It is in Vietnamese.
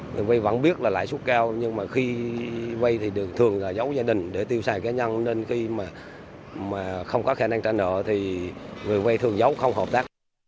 vì vai vẫn biết là lãi suất cao nhưng mà khi vai thì được thường giấu gia đình để tiêu sài cá nhân nên khi mà không có khả năng trả nợ thì người vai thường giấu không hợp tác